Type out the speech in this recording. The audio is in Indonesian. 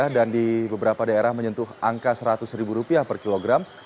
dan di beberapa daerah menyentuh angka rp seratus per kilogram